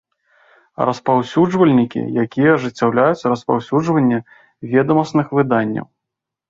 Распаўсюджвальнiкi, якiя ажыццяўляюць распаўсюджванне ведамасных выданняў.